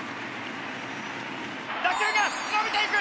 打球が伸びていく！